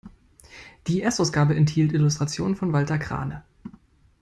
Die Erstausgabe enthielt Illustrationen von Walter Crane.